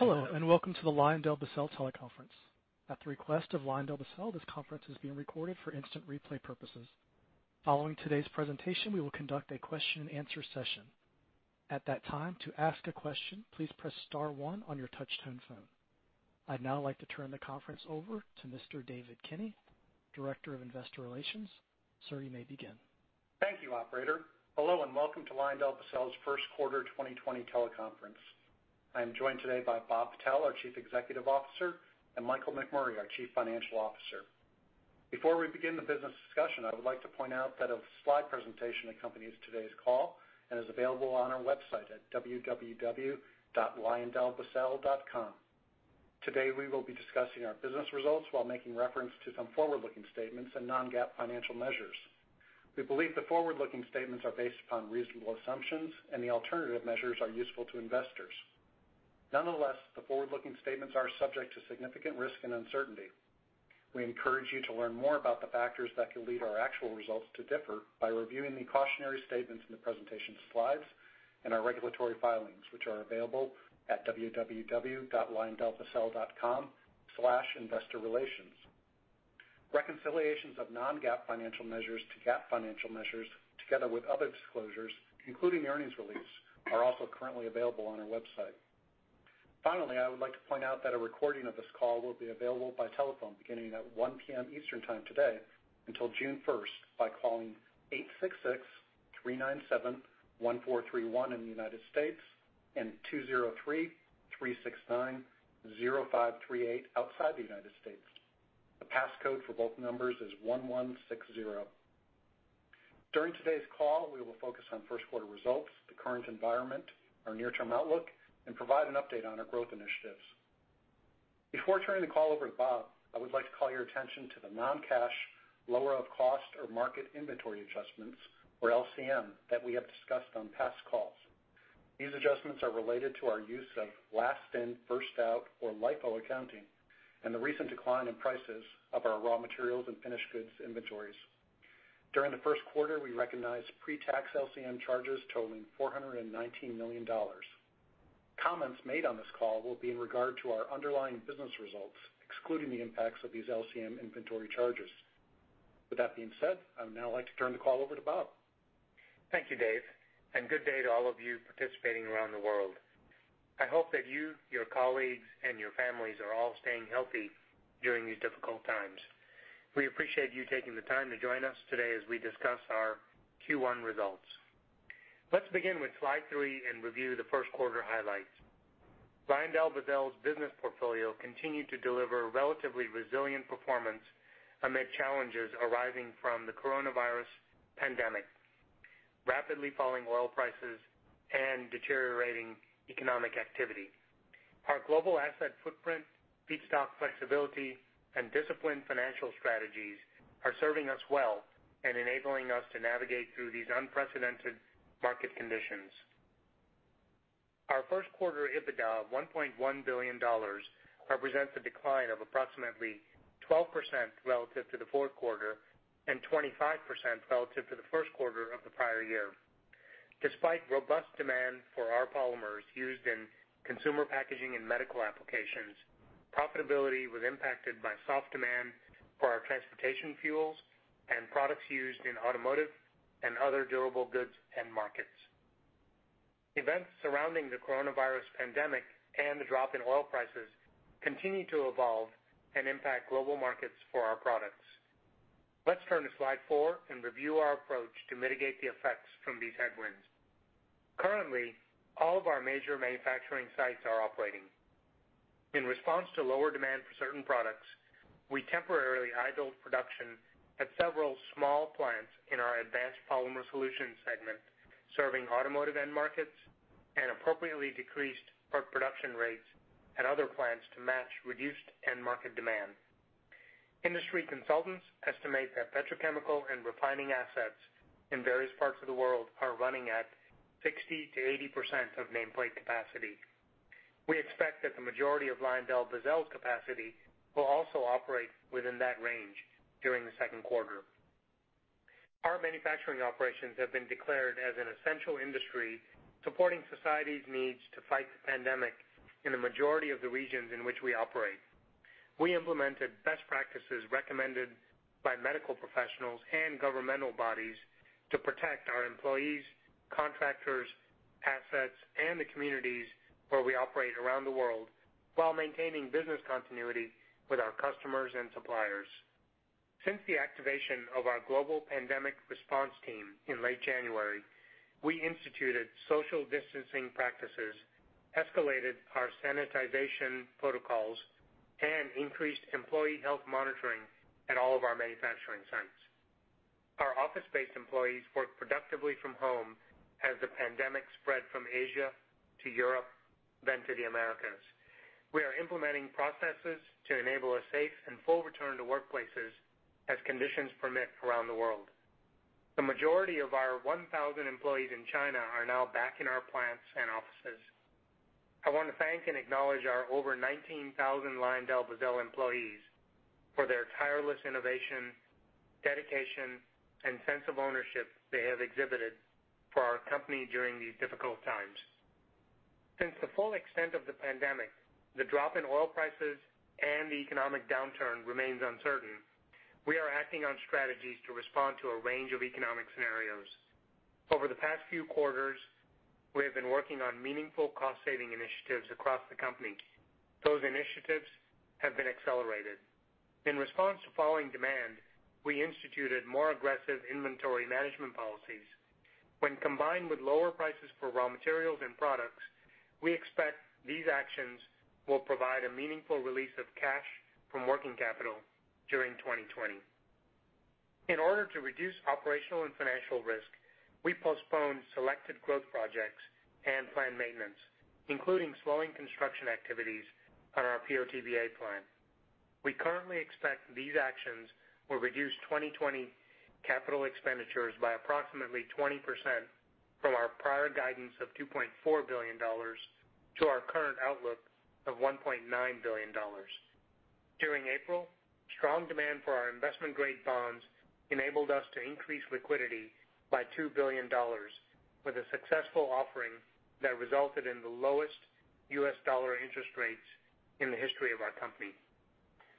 Hello, and welcome to the LyondellBasell teleconference. At the request of LyondellBasell, this conference is being recorded for instant replay purposes. Following today's presentation, we will conduct a question-and-answer session. At that time, to ask a question, please press star one on your touch-tone phone. I'd now like to turn the conference over to Mr. David Kinney, Director of Investor Relations. Sir, you may begin. Thank you, operator. Hello, and welcome to LyondellBasell's First Quarter 2020 Teleconference. I am joined today by Bob Patel, our Chief Executive Officer, and Michael McMurray, our Chief Financial Officer. Before we begin the business discussion, I would like to point out that a slide presentation accompanies today's call and is available on our website at www.lyondellbasell.com. Today, we will be discussing our business results while making reference to some forward-looking statements and non-GAAP financial measures. We believe the forward-looking statements are based upon reasonable assumptions, and the alternative measures are useful to investors. Nonetheless, the forward-looking statements are subject to significant risk and uncertainty. We encourage you to learn more about the factors that could lead our actual results to differ by reviewing the cautionary statements in the presentation slides and our regulatory filings, which are available at www.lyondellbasell.com/investorrelations. Reconciliations of non-GAAP financial measures to GAAP financial measures, together with other disclosures, including the earnings release, are also currently available on our website. Finally, I would like to point out that a recording of this call will be available by telephone beginning at 1:00 P.M. Eastern Time today until June 1st by calling 866-397-1431 in the United States and 203-369-0538 outside the United States. The pass code for both numbers is 1160. During today's call, we will focus on first quarter results, the current environment, our near-term outlook, and provide an update on our growth initiatives. Before turning the call over to Bob, I would like to call your attention to the non-cash lower of cost or market inventory adjustments, or LCM, that we have discussed on past calls. These adjustments are related to our use of last in, first out, or LIFO accounting, and the recent decline in prices of our raw materials and finished goods inventories. During the first quarter, we recognized pre-tax LCM charges totaling $419 million. Comments made on this call will be in regard to our underlying business results, excluding the impacts of these LCM inventory charges. With that being said, I would now like to turn the call over to Bob. Thank you, Dave, and good day to all of you participating around the world. I hope that you, your colleagues, and your families are all staying healthy during these difficult times. We appreciate you taking the time to join us today as we discuss our Q1 results. Let's begin with slide three and review the first quarter highlights. LyondellBasell's business portfolio continued to deliver relatively resilient performance amid challenges arising from the coronavirus pandemic, rapidly falling oil prices, and deteriorating economic activity. Our global asset footprint, feedstock flexibility, and disciplined financial strategies are serving us well and enabling us to navigate through these unprecedented market conditions. Our first quarter EBITDA of $1.1 billion represents a decline of approximately 12% relative to the fourth quarter and 25% relative to the first quarter of the prior year. Despite robust demand for our polymers used in consumer packaging and medical applications, profitability was impacted by soft demand for our transportation fuels and products used in automotive and other durable goods end markets. Events surrounding the coronavirus pandemic and the drop in oil prices continue to evolve and impact global markets for our products. Let's turn to slide four and review our approach to mitigate the effects from these headwinds. Currently, all of our major manufacturing sites are operating. In response to lower demand for certain products, we temporarily idled production at several small plants in our Advanced Polymer Solutions segment, serving automotive end markets, and appropriately decreased our production rates at other plants to match reduced end market demand. Industry consultants estimate that petrochemical and refining assets in various parts of the world are running at 60%-80% of nameplate capacity. We expect that the majority of LyondellBasell's capacity will also operate within that range during the second quarter. Our manufacturing operations have been declared as an essential industry supporting society's needs to fight the pandemic in a majority of the regions in which we operate. We implemented best practices recommended by medical professionals and governmental bodies to protect our employees, contractors, assets, and the communities where we operate around the world while maintaining business continuity with our customers and suppliers. Since the activation of our global pandemic response team in late January, we instituted social distancing practices, escalated our sanitization protocols, and increased employee health monitoring at all of our manufacturing sites. Our office-based employees worked productively from home as the pandemic spread from Asia to Europe, then to the Americas. We are implementing processes to enable a safe and full return to workplaces as conditions permit around the world. The majority of our 1,000 employees in China are now back in our plants and offices. I want to thank and acknowledge our over 19,000 LyondellBasell employees for their tireless innovation, dedication, and sense of ownership they have exhibited for our company during these difficult times. Since the full extent of the pandemic, the drop in oil prices and the economic downturn remains uncertain, we are acting on strategies to respond to a range of economic scenarios. Over the past few quarters, we have been working on meaningful cost-saving initiatives across the company. Those initiatives have been accelerated. In response to falling demand, we instituted more aggressive inventory management policies. When combined with lower prices for raw materials and products, we expect these actions will provide a meaningful release of cash from working capital during 2020. In order to reduce operational and financial risk, we postponed selected growth projects and planned maintenance, including slowing construction activities on our PO/TBA plant. We currently expect these actions will reduce 2020 capital expenditures by approximately 20% from our prior guidance of $2.4 billion to our current outlook of $1.9 billion. During April, strong demand for our investment-grade bonds enabled us to increase liquidity by $2 billion with a successful offering that resulted in the lowest U.S. dollar interest rates in the history of our company.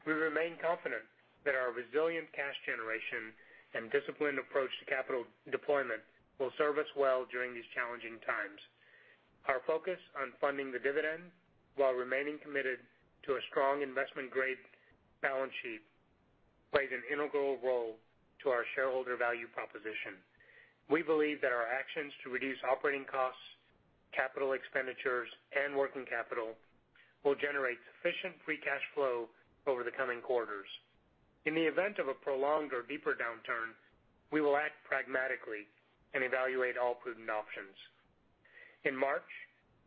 We remain confident that our resilient cash generation and disciplined approach to capital deployment will serve us well during these challenging times. Our focus on funding the dividend while remaining committed to a strong investment-grade balance sheet plays an integral role to our shareholder value proposition. We believe that our actions to reduce operating costs, capital expenditures, and working capital will generate sufficient free cash flow over the coming quarters. In the event of a prolonged or deeper downturn, we will act pragmatically and evaluate all prudent options. In March,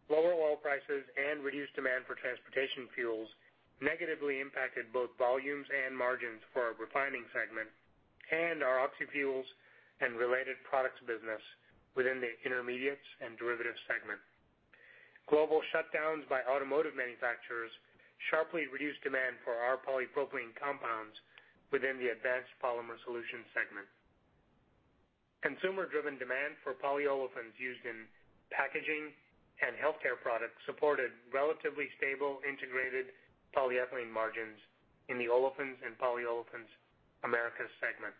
lower oil prices and reduced demand for transportation fuels negatively impacted both volumes and margins for our refining segment and our Oxyfuels and related products business within the Intermediates and Derivatives segment. Global shutdowns by automotive manufacturers sharply reduced demand for our polypropylene compounds within the Advanced Polymer Solutions segment. Consumer-driven demand for polyolefins used in packaging and healthcare products supported relatively stable integrated polyethylene margins in the Olefins and Polyolefins – Americas segment.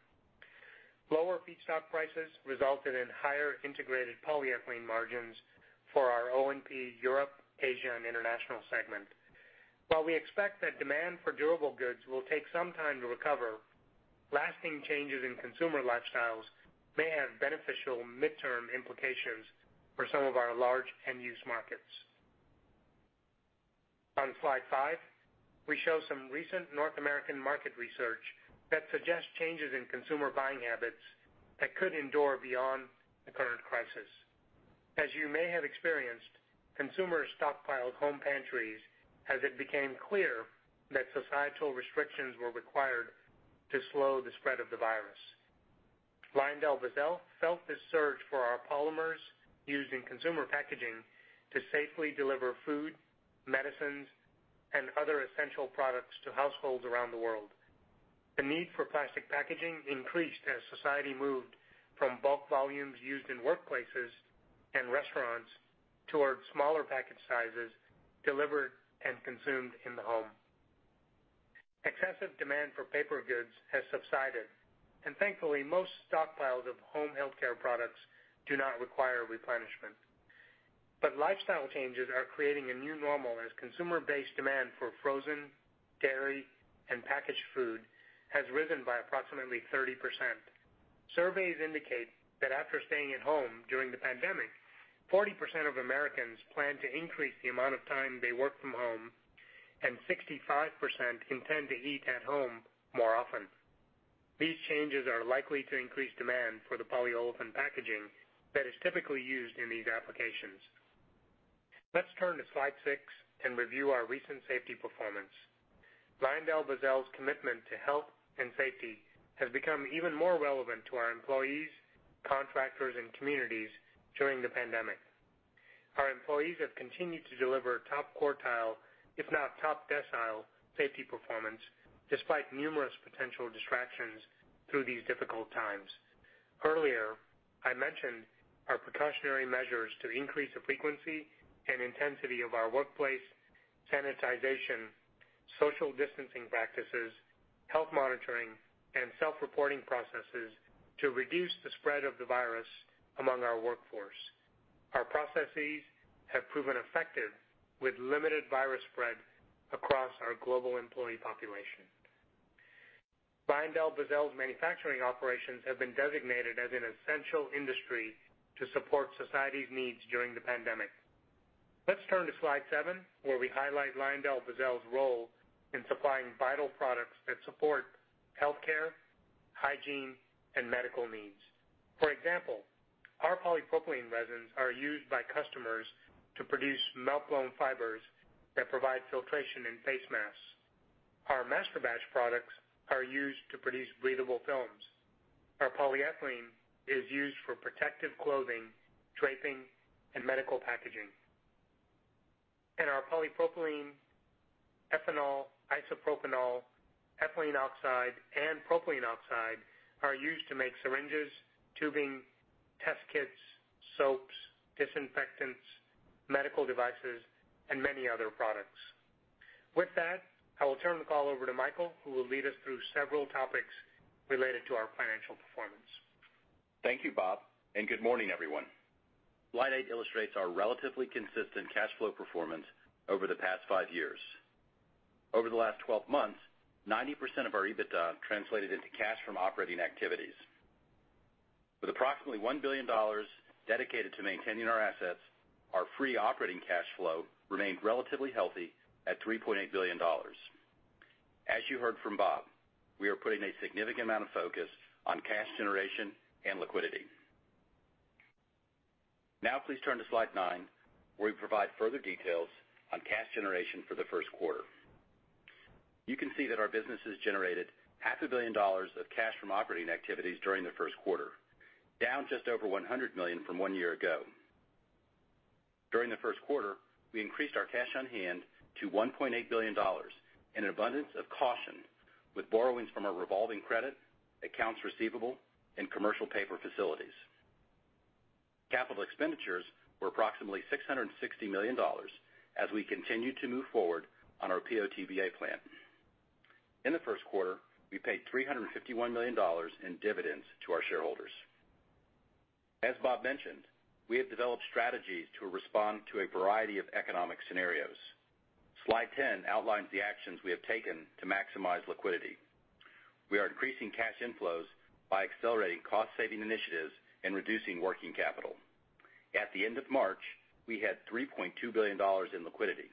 Lower feedstock prices resulted in higher integrated polyethylene margins for our O&P – Europe, Asia and International segment. While we expect that demand for durable goods will take some time to recover, lasting changes in consumer lifestyles may have beneficial midterm implications for some of our large end-use markets. On slide five, we show some recent North American market research that suggests changes in consumer buying habits that could endure beyond the current crisis. As you may have experienced, consumers stockpiled home pantries as it became clear that societal restrictions were required to slow the spread of the virus. LyondellBasell felt this surge for our polymers used in consumer packaging to safely deliver food, medicines, and other essential products to households around the world. The need for plastic packaging increased as society moved from bulk volumes used in workplaces and restaurants towards smaller package sizes delivered and consumed in the home. Excessive demand for paper goods has subsided. Thankfully, most stockpiles of home healthcare products do not require replenishment. Lifestyle changes are creating a new normal as consumer base demand for frozen, dairy, and packaged food has risen by approximately 30%. Surveys indicate that after staying at home during the pandemic, 40% of Americans plan to increase the amount of time they work from home and 65% intend to eat at home more often. These changes are likely to increase demand for the polyolefin packaging that is typically used in these applications. Let's turn to slide six and review our recent safety performance. LyondellBasell's commitment to health and safety has become even more relevant to our employees, contractors, and communities during the pandemic. Our employees have continued to deliver top quartile, if not top decile, safety performance despite numerous potential distractions through these difficult times. Earlier, I mentioned our precautionary measures to increase the frequency and intensity of our workplace sanitization, social distancing practices, health monitoring, and self-reporting processes to reduce the spread of the virus among our workforce. Our processes have proven effective with limited virus spread across our global employee population. LyondellBasell's manufacturing operations have been designated as an essential industry to support society's needs during the pandemic. Let's turn to slide seven, where we highlight LyondellBasell's role in supplying vital products that support healthcare, hygiene, and medical needs. For example, our polypropylene resins are used by customers to produce melt-blown fibers that provide filtration in face masks. Our masterbatch products are used to produce breathable films. Our polyethylene is used for protective clothing, draping, and medical packaging. Our polypropylene, ethanol, isopropanol, ethylene oxide, and propylene oxide are used to make syringes, tubing, test kits, soaps, disinfectants, medical devices, and many other products. With that, I will turn the call over to Michael, who will lead us through several topics related to our financial performance. Thank you, Bob, and good morning, everyone. Slide eight illustrates our relatively consistent cash flow performance over the past five years. Over the last 12 months, 90% of our EBITDA translated into cash from operating activities. With approximately $1 billion dedicated to maintaining our assets, our free operating cash flow remained relatively healthy at $3.8 billion. As you heard from Bob, we are putting a significant amount of focus on cash generation and liquidity. Now please turn to slide nine, where we provide further details on cash generation for the first quarter. You can see that our businesses generated half a billion dollars of cash from operating activities during the first quarter, down just over $100 million from one year ago. During the first quarter, we increased our cash on hand to $1.8 billion in an abundance of caution with borrowings from our revolving credit, accounts receivable, and commercial paper facilities. Capital expenditures were approximately $660 million as we continued to move forward on our PO/TBA plant. In the first quarter, we paid $351 million in dividends to our shareholders. As Bob mentioned, we have developed strategies to respond to a variety of economic scenarios. Slide 10 outlines the actions we have taken to maximize liquidity. We are increasing cash inflows by accelerating cost-saving initiatives and reducing working capital. At the end of March, we had $3.2 billion in liquidity.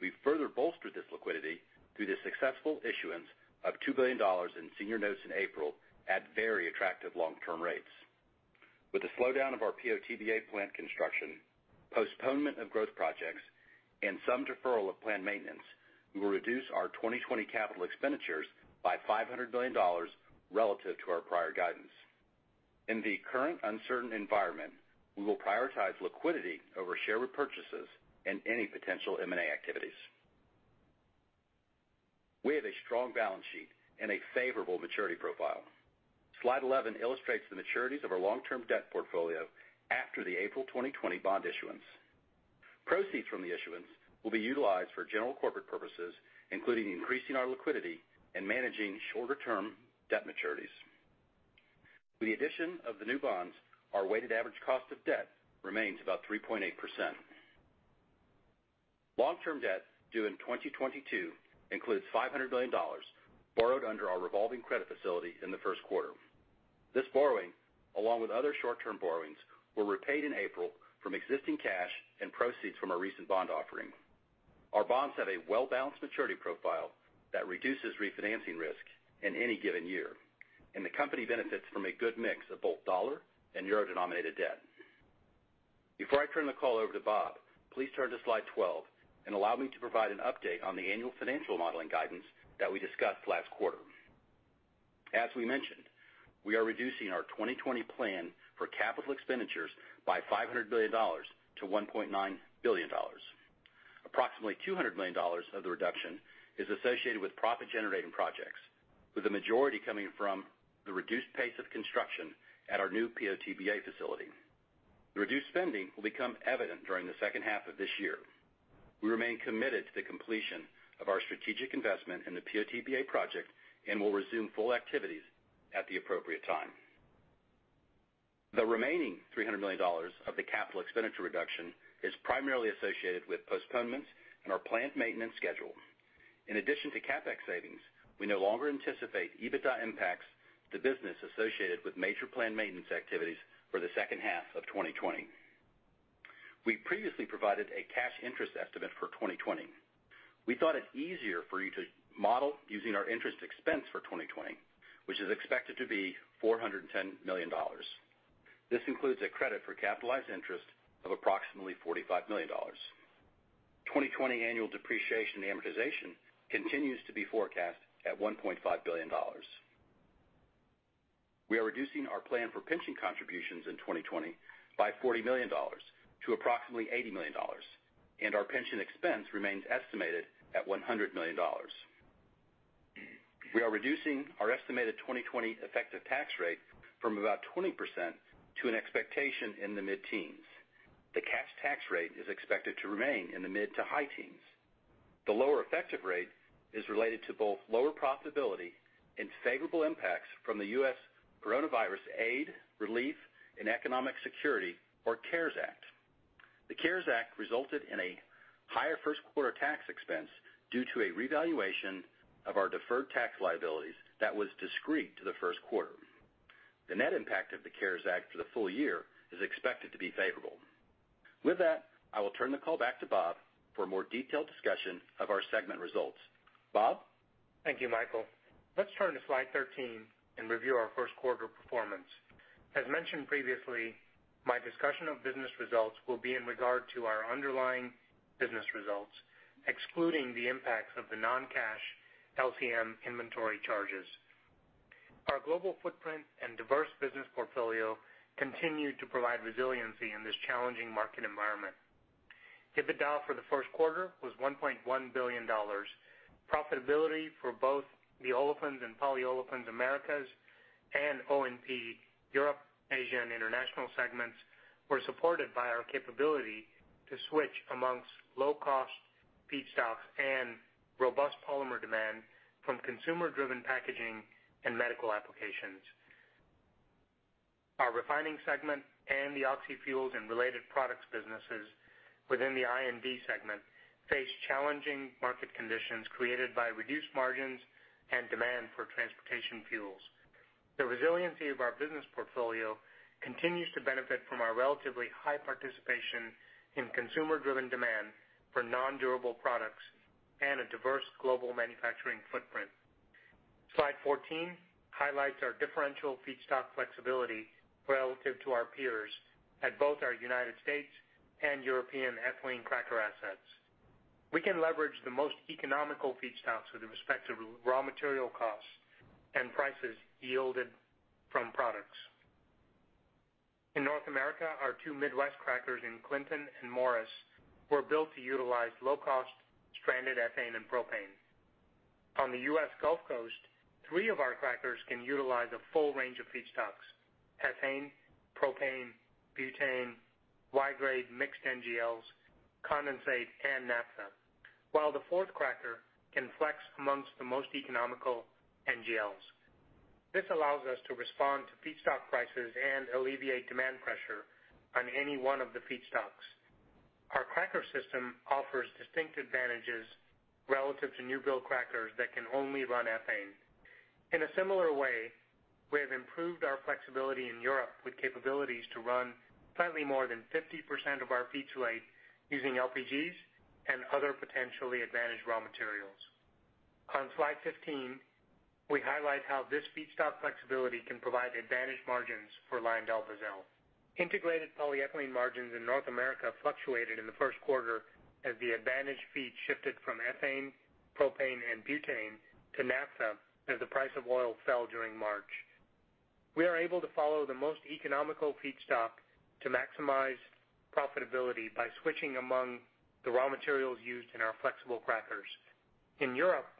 We further bolstered this liquidity through the successful issuance of $2 billion in senior notes in April at very attractive long-term rates. With the slowdown of our PO/TBA plant construction, postponement of growth projects, and some deferral of planned maintenance, we will reduce our 2020 capital expenditures by $500 million relative to our prior guidance. In the current uncertain environment, we will prioritize liquidity over share repurchases and any potential M&A activities. We have a strong balance sheet and a favorable maturity profile. Slide 11 illustrates the maturities of our long-term debt portfolio after the April 2020 bond issuance. Proceeds from the issuance will be utilized for general corporate purposes, including increasing our liquidity and managing shorter-term debt maturities. With the addition of the new bonds, our weighted average cost of debt remains about 3.8%. Long-term debt due in 2022 includes $500 million borrowed under our revolving credit facility in the first quarter. This borrowing, along with other short-term borrowings, were repaid in April from existing cash and proceeds from our recent bond offering. Our bonds have a well-balanced maturity profile that reduces refinancing risk in any given year, and the company benefits from a good mix of both dollar- and euro-denominated debt. Before I turn the call over to Bob, please turn to slide 12 and allow me to provide an update on the annual financial modeling guidance that we discussed last quarter. As we mentioned, we are reducing our 2020 plan for capital expenditures by $500 billion to $1.9 billion. Approximately $200 million of the reduction is associated with profit-generating projects, with the majority coming from the reduced pace of construction at our new PO/TBA facility. The reduced spending will become evident during the second half of this year. We remain committed to the completion of our strategic investment in the PO/TBA project and will resume full activities at the appropriate time. The remaining $300 million of the capital expenditure reduction is primarily associated with postponements and our planned maintenance schedule. In addition to CapEx savings, we no longer anticipate EBITDA impacts to business associated with major planned maintenance activities for the second half of 2020. We previously provided a cash interest estimate for 2020. We thought it easier for you to model using our interest expense for 2020, which is expected to be $410 million. This includes a credit for capitalized interest of approximately $45 million. 2020 annual depreciation amortization continues to be forecast at $1.5 billion. We are reducing our plan for pension contributions in 2020 by $40 million to approximately $80 million, and our pension expense remains estimated at $100 million. We are reducing our estimated 2020 effective tax rate from about 20% to an expectation in the mid-teens. The cash tax rate is expected to remain in the mid to high teens. The lower effective rate is related to both lower profitability and favorable impacts from the U.S. Coronavirus Aid, Relief, and Economic Security or CARES Act. The CARES Act resulted in a higher first quarter tax expense due to a revaluation of our deferred tax liabilities that was discrete to the first quarter. The net impact of the CARES Act for the full year is expected to be favorable. With that, I will turn the call back to Bob for a more detailed discussion of our segment results. Bob? Thank you, Michael. Let's turn to slide 13 and review our first quarter performance. As mentioned previously, my discussion of business results will be in regard to our underlying business results, excluding the impacts of the non-cash LCM inventory charges. Our global footprint and diverse business portfolio continue to provide resiliency in this challenging market environment. EBITDA for the first quarter was $1.1 billion. Profitability for both the Olefins and Polyolefins – Americas and O&P – Europe, Asia and International segments were supported by our capability to switch amongst low-cost feedstocks and robust polymer demand from consumer-driven packaging and medical applications. Our refining segment and the Oxyfuels and related products businesses within the I&D segment face challenging market conditions created by reduced margins and demand for transportation fuels. The resiliency of our business portfolio continues to benefit from our relatively high participation in consumer-driven demand for non-durable products and a diverse global manufacturing footprint. Slide 14 highlights our differential feedstock flexibility relative to our peers at both our U.S. and European ethylene cracker assets. We can leverage the most economical feedstocks with respect to raw material costs and prices yielded from products. In North America, our two Midwest crackers in Clinton and Morris were built to utilize low-cost stranded ethane and propane. On the U.S. Gulf Coast, three of our crackers can utilize a full range of feedstocks, ethane, propane, butane, wide-grade mixed NGLs, condensate, and naphtha, while the fourth cracker can flex amongst the most economical NGLs. This allows us to respond to feedstock prices and alleviate demand pressure on any one of the feedstocks. Our cracker system offers distinct advantages relative to new build crackers that can only run ethane. In a similar way, we have improved our flexibility in Europe with capabilities to run slightly more than 50% of our feed slate using LPGs and other potentially advantaged raw materials. On slide 15, we highlight how this feedstock flexibility can provide advantaged margins for LyondellBasell. Integrated polyethylene margins in North America fluctuated in the first quarter as the advantaged feed shifted from ethane, propane, and butane to naphtha as the price of oil fell during March. We are able to follow the most economical feedstock to maximize profitability by switching among the raw materials used in our flexible crackers. In Europe,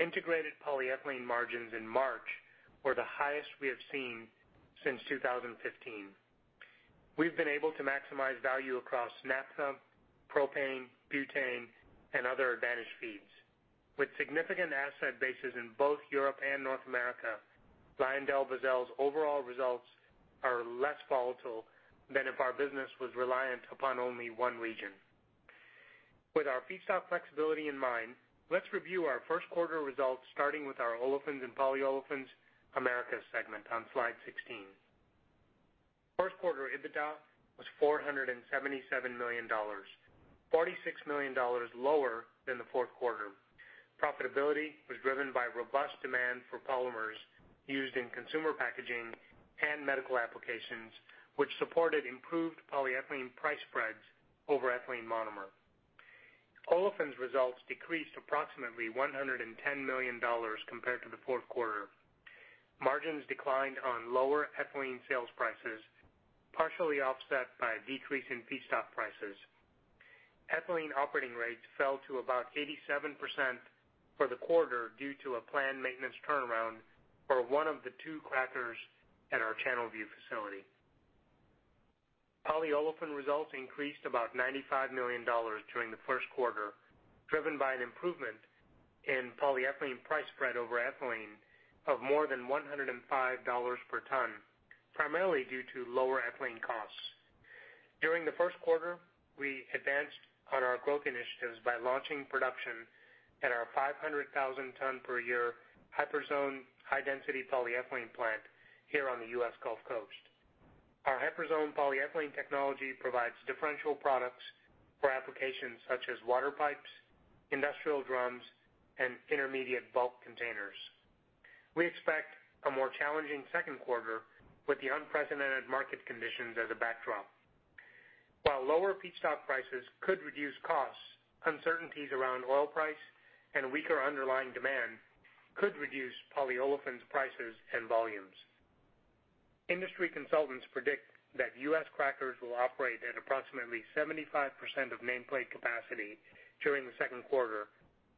integrated polyethylene margins in March were the highest we have seen since 2015. We've been able to maximize value across naphtha, propane, butane, and other advantaged feeds. With significant asset bases in both Europe and North America, LyondellBasell's overall results are less volatile than if our business was reliant upon only one region. With our feedstock flexibility in mind, let's review our first quarter results starting with our Olefins and Polyolefins Americas segment on slide 16. First quarter EBITDA was $477 million, $46 million lower than the fourth quarter. Profitability was driven by robust demand for polymers used in consumer packaging and medical applications, which supported improved polyethylene price spreads over ethylene monomer. Olefins results decreased approximately $110 million compared to the fourth quarter. Margins declined on lower ethylene sales prices, partially offset by a decrease in feedstock prices. Ethylene operating rates fell to about 87% for the quarter due to a planned maintenance turnaround for one of the two crackers at our Channelview facility. Polyolefin results increased about $95 million during the first quarter, driven by an improvement in polyethylene price spread over ethylene of more than $105 per ton, primarily due to lower ethylene costs. During the first quarter, we advanced on our growth initiatives by launching production at our 500,000 ton per year Hyperzone high-density polyethylene plant here on the U.S. Gulf Coast. Our Hyperzone polyethylene technology provides differential products for applications such as water pipes, industrial drums, and intermediate bulk containers. We expect a more challenging second quarter with the unprecedented market conditions as a backdrop. While lower feedstock prices could reduce costs, uncertainties around oil price and weaker underlying demand could reduce polyolefins prices and volumes. Industry consultants predict that U.S. crackers will operate at approximately 75% of nameplate capacity during the second quarter.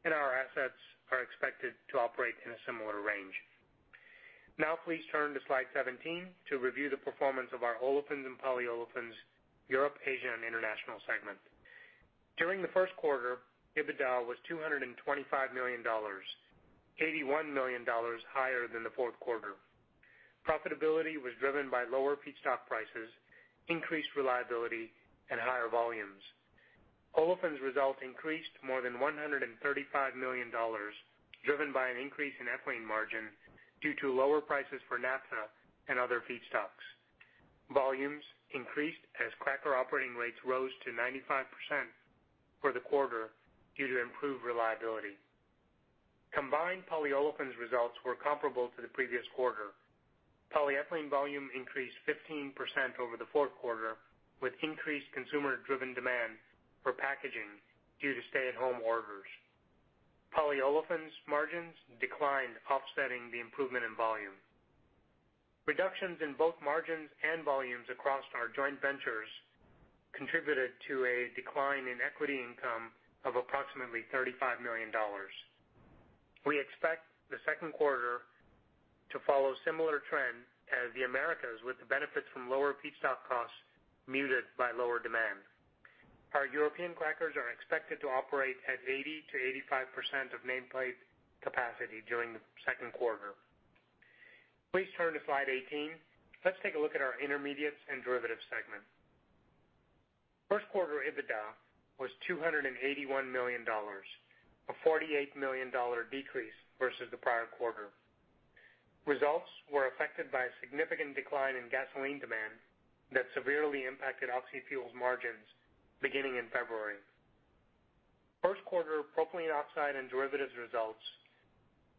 Our assets are expected to operate in a similar range. Now please turn to slide 17 to review the performance of our Olefins and Polyolefins – Europe, Asia and International segment. During the first quarter, EBITDA was $225 million, $81 million higher than the fourth quarter. Profitability was driven by lower feedstock prices, increased reliability, and higher volumes. Olefins result increased more than $135 million, driven by an increase in ethylene margin due to lower prices for naphtha and other feedstocks. Volumes increased as cracker operating rates rose to 95% for the quarter due to improved reliability. Combined Polyolefins results were comparable to the previous quarter. Polyethylene volume increased 15% over the fourth quarter with increased consumer-driven demand for packaging due to stay-at-home orders. Polyolefins margins declined, offsetting the improvement in volume. Reductions in both margins and volumes across our joint ventures contributed to a decline in equity income of approximately $35 million. We expect the second quarter to follow similar trends as the Americas with the benefits from lower feedstock costs muted by lower demand. Our European crackers are expected to operate at 80%-85% of nameplate capacity during the second quarter. Please turn to slide 18. Let's take a look at our Intermediates and Derivatives segment. First quarter EBITDA was $281 million, a $48 million decrease versus the prior quarter. Results were affected by a significant decline in gasoline demand that severely impacted Oxyfuels margins beginning in February. First quarter propylene oxide and derivatives results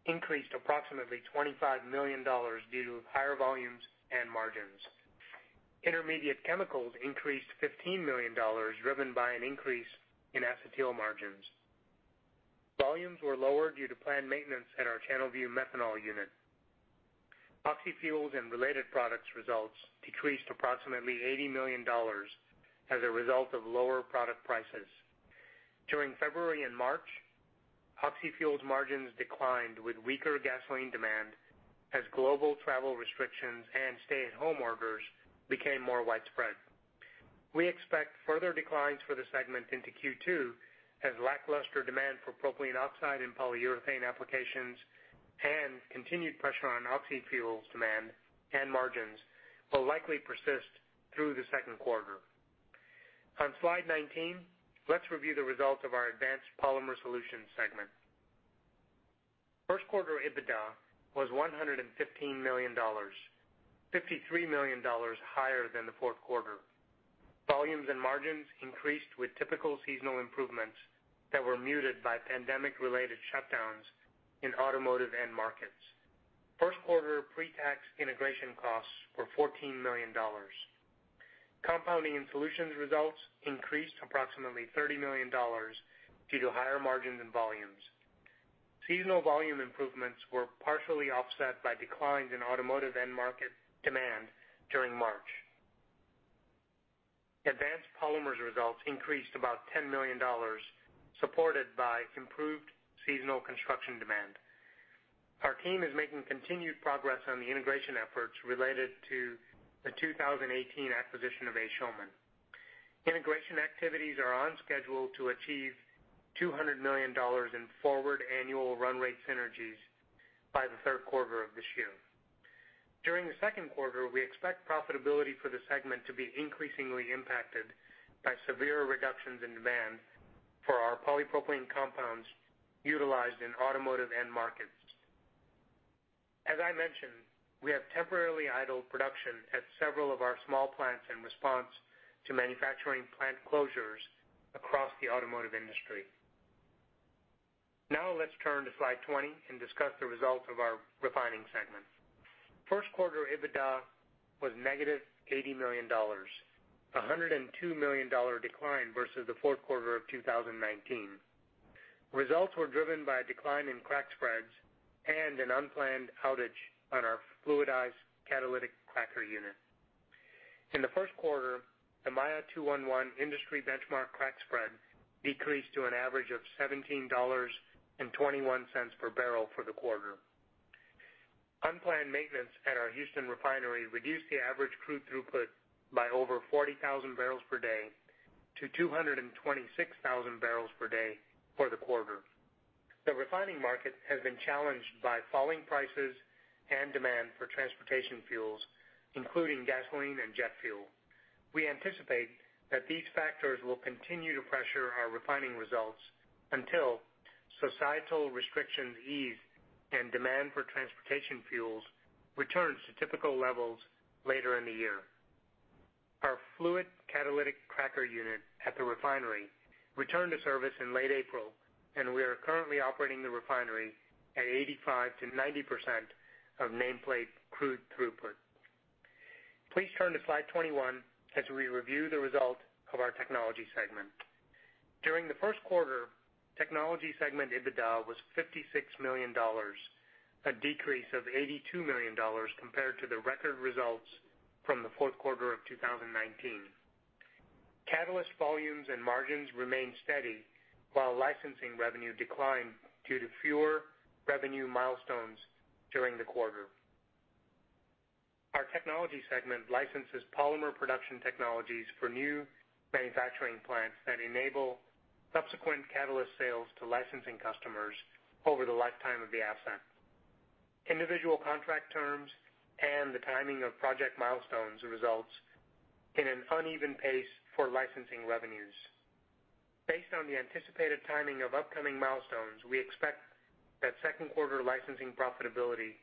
increased approximately $25 million due to higher volumes and margins. Intermediate chemicals increased $15 million, driven by an increase in acetyl margins. Volumes were lower due to planned maintenance at our Channelview methanol unit. Oxyfuels and related products results decreased approximately $80 million as a result of lower product prices. During February and March, Oxyfuels margins declined with weaker gasoline demand as global travel restrictions and stay-at-home orders became more widespread. We expect further declines for the segment into Q2 as lackluster demand for propylene oxide and polyurethane applications and continued pressure on Oxyfuels demand and margins will likely persist through the second quarter. On slide 19, let's review the results of our Advanced Polymer Solutions segment. First quarter EBITDA was $115 million, $53 million higher than the fourth quarter. Volumes and margins increased with typical seasonal improvements that were muted by pandemic-related shutdowns in automotive end markets. First quarter pre-tax integration costs were $14 million. Compounding and solutions results increased approximately $30 million due to higher margins and volumes. Seasonal volume improvements were partially offset by declines in automotive end market demand during March. Advanced Polymers results increased about $10 million, supported by improved seasonal construction demand. Our team is making continued progress on the integration efforts related to the 2018 acquisition of A. Schulman. Integration activities are on schedule to achieve $200 million in forward annual run rate synergies by the third quarter of this year. During the second quarter, we expect profitability for the segment to be increasingly impacted by severe reductions in demand for our polypropylene compounds utilized in automotive end markets. As I mentioned, we have temporarily idled production at several of our small plants in response to manufacturing plant closures across the automotive industry. Let's turn to slide 20 and discuss the results of our Refining segment. First quarter EBITDA was -$80 million, a $102 million decline versus the fourth quarter of 2019. Results were driven by a decline in crack spreads and an unplanned outage on our fluidized catalytic cracker unit. In the first quarter, the Maya 2-1-1 industry benchmark crack spread decreased to an average of $17.21 per barrel for the quarter. Unplanned maintenance at our Houston refinery reduced the average crude throughput by over 40,000 bpd-226,000 bpd for the quarter. The refining market has been challenged by falling prices and demand for transportation fuels, including gasoline and jet fuel. We anticipate that these factors will continue to pressure our refining results until societal restrictions ease and demand for transportation fuels returns to typical levels later in the year. Our fluid catalytic cracker unit at the refinery returned to service in late April, and we are currently operating the refinery at 85%-90% of nameplate crude throughput. Please turn to slide 21 as we review the result of our Technology segment. During the first quarter, Technology segment EBITDA was $56 million, a decrease of $82 million compared to the record results from the fourth quarter of 2019. Catalyst volumes and margins remained steady while licensing revenue declined due to fewer revenue milestones during the quarter. Our Technology segment licenses polymer production technologies for new manufacturing plants that enable subsequent catalyst sales to licensing customers over the lifetime of the asset. Individual contract terms and the timing of project milestones results in an uneven pace for licensing revenues. Based on the anticipated timing of upcoming milestones, we expect that second quarter licensing profitability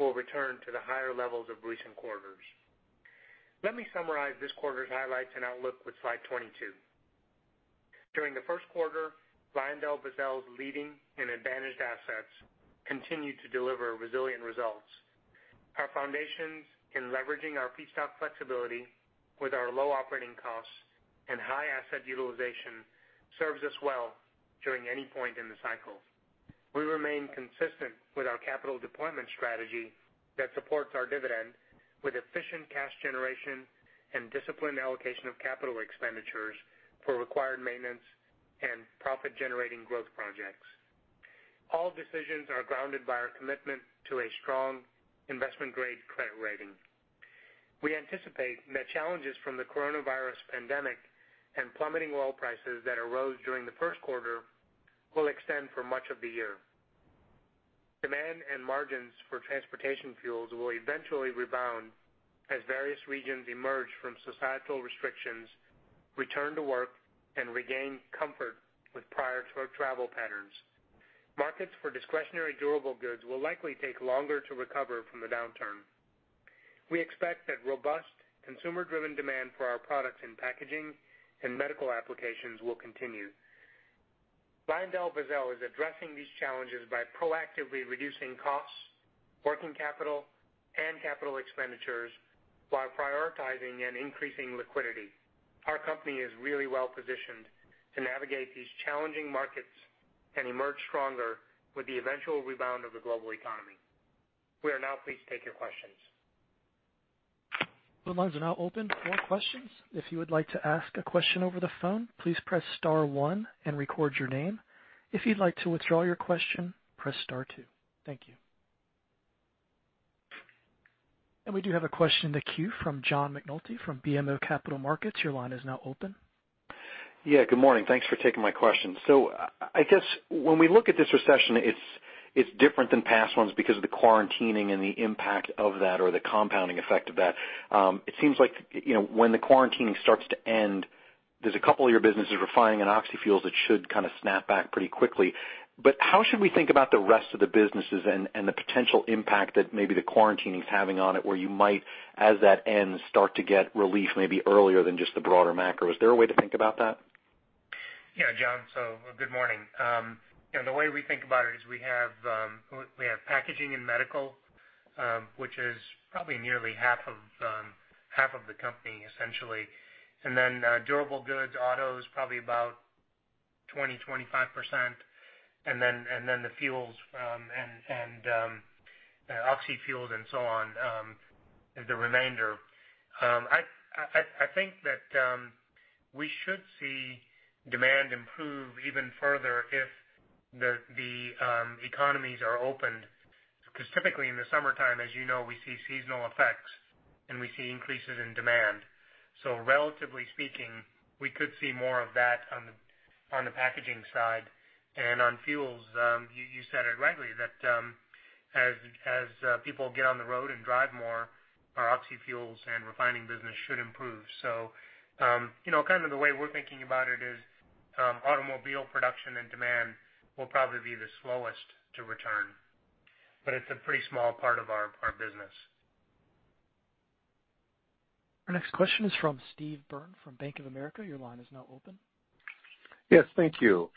will return to the higher levels of recent quarters. Let me summarize this quarter's highlights and outlook with slide 22. During the first quarter, LyondellBasell's leading and advantaged assets continued to deliver resilient results. Our foundations in leveraging our feedstock flexibility with our low operating costs and high asset utilization serves us well during any point in the cycle. We remain consistent with our capital deployment strategy that supports our dividend with efficient cash generation and disciplined allocation of capital expenditures for required maintenance and profit-generating growth projects. All decisions are grounded by our commitment to a strong investment-grade credit rating. We anticipate that challenges from the coronavirus pandemic and plummeting oil prices that arose during the first quarter will extend for much of the year. Demand and margins for transportation fuels will eventually rebound as various regions emerge from societal restrictions, return to work, and regain comfort with prior travel patterns. Markets for discretionary durable goods will likely take longer to recover from the downturn. We expect that robust consumer-driven demand for our products in packaging and medical applications will continue. LyondellBasell is addressing these challenges by proactively reducing costs, working capital, and capital expenditures while prioritizing and increasing liquidity. Our company is really well-positioned to navigate these challenging markets and emerge stronger with the eventual rebound of the global economy. We are now pleased to take your questions. The lines are now open for questions. If you would like to ask a question over the phone, please press star one and record your name. If you'd like to withdraw your question, press star two. Thank you. We do have a question in the queue from John McNulty from BMO Capital Markets. Your line is now open. Yeah, good morning. Thanks for taking my question. I guess when we look at this recession, it's different than past ones because of the quarantining and the impact of that or the compounding effect of that. It seems like when the quarantining starts to end, there's a couple of your businesses refining and Oxyfuels that should kind of snap back pretty quickly. How should we think about the rest of the businesses and the potential impact that maybe the quarantining is having on it, where you might, as that ends, start to get relief maybe earlier than just the broader macro? Is there a way to think about that? John, good morning. The way we think about it is we have packaging and medical, which is probably nearly half of the company, essentially. Durable goods, auto is probably about 20%-25%. The fuels and Oxyfuels and so on is the remainder. I think that we should see demand improve even further if the economies are opened. Typically in the summertime, as you know, we see seasonal effects, and we see increases in demand. Relatively speaking, we could see more of that on the packaging side. On fuels, you said it rightly, that as people get on the road and drive more, our Oxyfuels and refining business should improve. Kind of the way we're thinking about it is automobile production and demand will probably be the slowest to return, but it's a pretty small part of our business. Our next question is from Steve Byrne from Bank of America. Your line is now open. Yes. Thank you.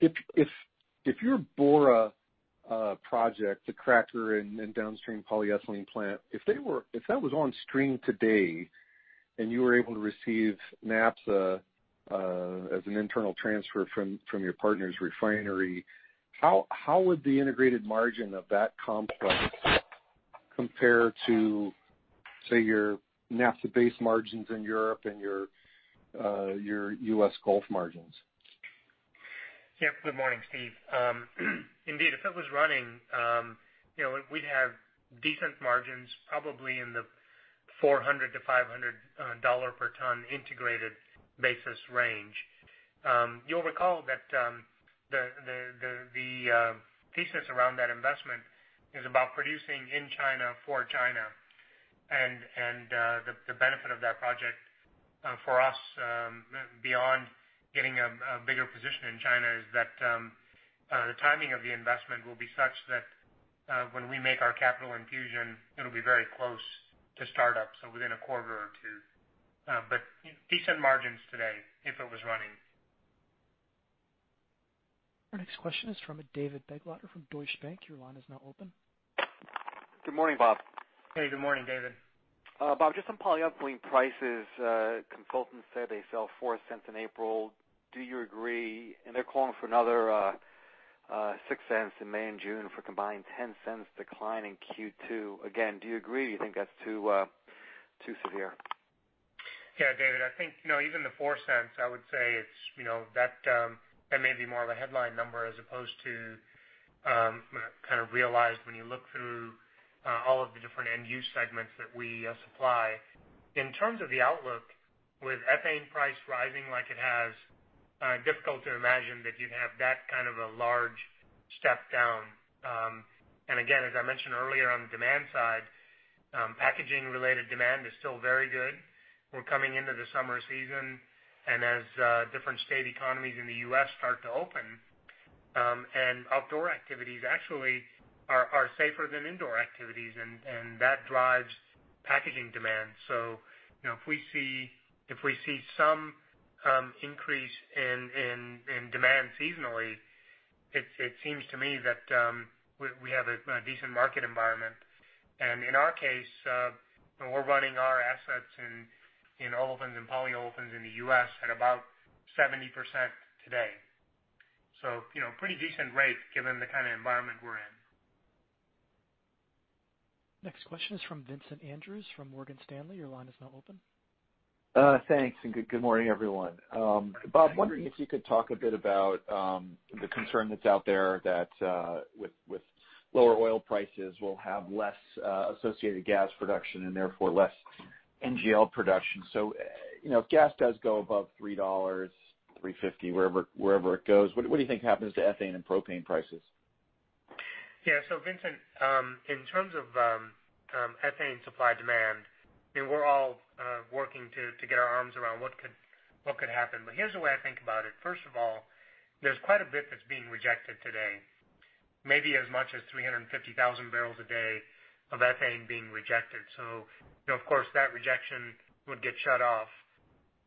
If your Bora project, the cracker and downstream polyethylene plant, if that was on stream today and you were able to receive Naphtha as an internal transfer from your partner's refinery, how would the integrated margin of that complex compare to, say, your Naphtha base margins in Europe and your U.S. Gulf margins? Yeah. Good morning, Steve. Indeed, if it was running we'd have decent margins, probably in the $400-$500 per ton integrated basis range. You'll recall that the thesis around that investment is about producing in China for China. The benefit of that project for us, beyond getting a bigger position in China, is that the timing of the investment will be such that when we make our capital infusion, it'll be very close to startup, so within a quarter or two. Decent margins today if it was running. Our next question is from David Begleiter from Deutsche Bank. Your line is now open. Good morning, Bob. Hey, good morning, David. Bob, just on polyethylene prices. Consultants said they fell $0.04 in April. Do you agree? They're calling for another $0.06 in May and June for a combined $0.10 decline in Q2. Again, do you agree? Do you think that's too severe? Yeah, David, I think even the $0.04, I would say that may be more of a headline number as opposed to kind of realized when you look through all of the different end-use segments that we supply. In terms of the outlook, with ethane price rising like it has, difficult to imagine that you'd have that kind of a large step down. Again, as I mentioned earlier on the demand side, packaging-related demand is still very good. We're coming into the summer season, as different state economies in the U.S. start to open, outdoor activities actually safer than indoor activities, that drives packaging demand. If we see some increase in demand seasonally, it seems to me that we have a decent market environment. In our case, we're running our assets in Olefins and Polyolefins in the U.S. at about 70% today. Pretty decent rate given the kind of environment we're in. Next question is from Vincent Andrews from Morgan Stanley. Your line is now open. Thanks, good morning, everyone. Bob, wondering if you could talk a bit about the concern that's out there that with lower oil prices, we'll have less associated gas production and therefore less NGL production. If gas does go above $3, $3.50, wherever it goes, what do you think happens to ethane and propane prices? Yeah. Vincent, in terms of ethane supply demand, we're all working to get our arms around what could happen. Here's the way I think about it. First of all, there's quite a bit that's being rejected today. Maybe as much as 350,000 bbl a day of ethane being rejected. Of course, that rejection would get shut off.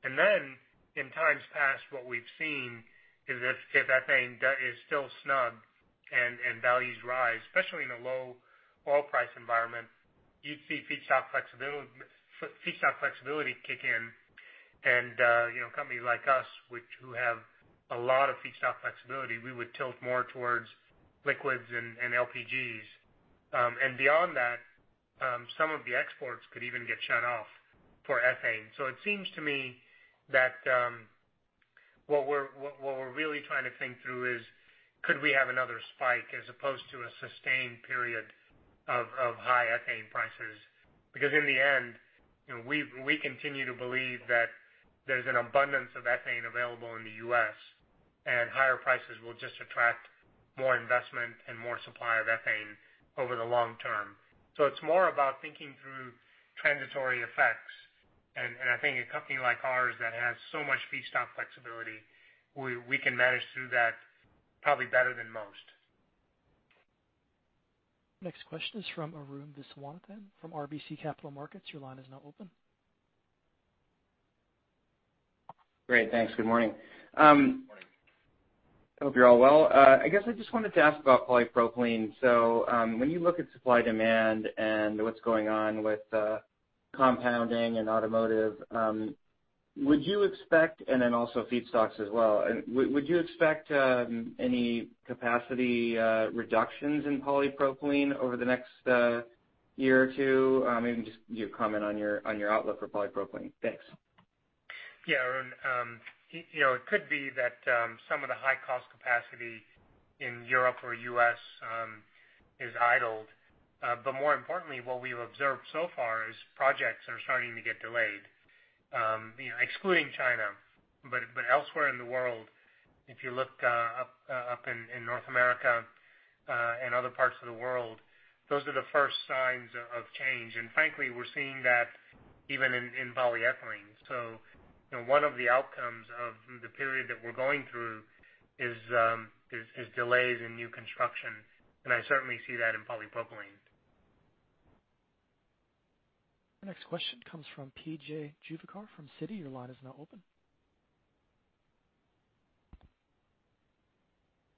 Then in times past, what we've seen is if ethane is still snubbed and values rise, especially in a low oil price environment, you'd see feedstock flexibility kick in. Companies like us, who have a lot of feedstock flexibility, we would tilt more towards liquids and LPGs. Beyond that, some of the exports could even get shut off for ethane. It seems to me that what we're really trying to think through is could we have another spike as opposed to a sustained period of high ethane prices? In the end, we continue to believe that there's an abundance of ethane available in the U.S., and higher prices will just attract more investment and more supply of ethane over the long term. It's more about thinking through transitory effects. I think a company like ours that has so much feedstock flexibility, we can manage through that probably better than most. Next question is from Arun Viswanathan, from RBC Capital Markets. Your line is now open. Great. Thanks. Good morning. Morning. Hope you're all well. I guess I just wanted to ask about polypropylene. When you look at supply demand and what's going on with compounding and automotive, would you expect? Then also feedstocks as well. Would you expect any capacity reductions in polypropylene over the next year or two? Maybe just your comment on your outlook for polypropylene. Thanks. Yeah, Arun. It could be that some of the high cost capacity in Europe or U.S. is idled. More importantly, what we've observed so far is projects are starting to get delayed. Excluding China. Elsewhere in the world, if you look up in North America, and other parts of the world, those are the first signs of change. Frankly, we're seeing that even in polyethylene. One of the outcomes of the period that we're going through is delays in new construction. I certainly see that in polypropylene. The next question comes from P.J. Juvekar from Citi. Your line is now open.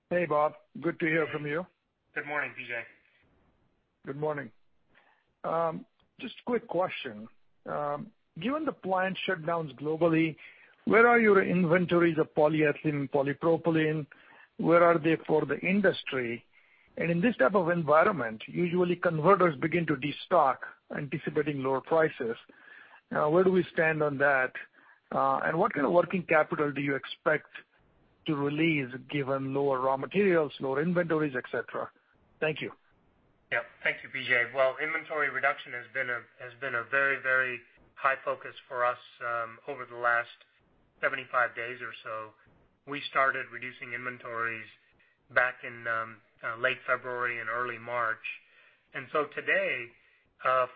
Hey, Bob. Good to hear from you. Good morning, P.J. Good morning. Just a quick question. Given the plant shutdowns globally, where are your inventories of polyethylene and polypropylene? Where are they for the industry? In this type of environment, usually converters begin to destock anticipating lower prices. Where do we stand on that? What kind of working capital do you expect to release given lower raw materials, lower inventories, et cetera? Thank you. Yeah. Thank you, P.J. Well, inventory reduction has been a very high focus for us over the last 75 days or so. We started reducing inventories back in late February and early March. Today,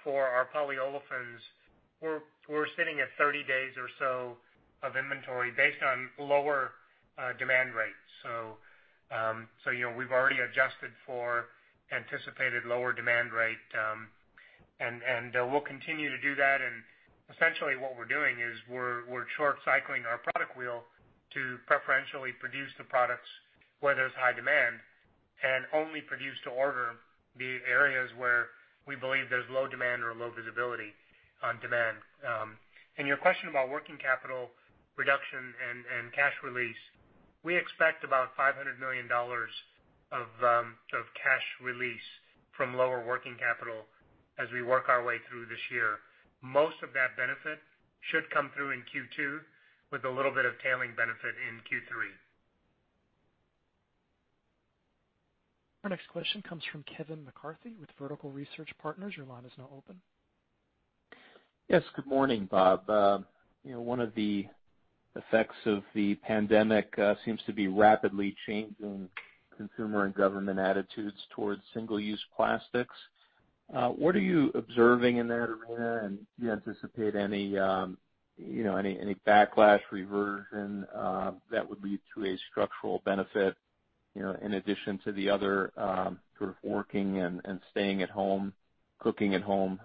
for our polyolefins, we're sitting at 30 days or so of inventory based on lower demand rates. We've already adjusted for anticipated lower demand rate, and we'll continue to do that. Essentially what we're doing is we're short cycling our product wheel to preferentially produce the products where there's high demand, and only produce to order the areas where we believe there's low demand or low visibility on demand. Your question about working capital reduction and cash release, we expect about $500 million of cash release from lower working capital as we work our way through this year. Most of that benefit should come through in Q2 with a little bit of tailing benefit in Q3. Our next question comes from Kevin McCarthy with Vertical Research Partners. Your line is now open. Yes. Good morning, Bob. One of the effects of the pandemic seems to be rapidly changing consumer and government attitudes towards single-use plastic. What are you observing in that arena? Do you anticipate any backlash reversion that would lead to a structural benefit in addition to the other sort of working and staying at home, cooking at home